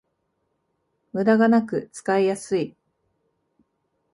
ムダがなく使いやすい